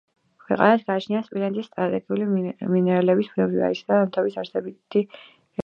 ქვეყანას გააჩნია სპილენძის, სტრატეგიული მინერალების, ბუნებრივი აირის და ნავთობის არსებითი რესურსები.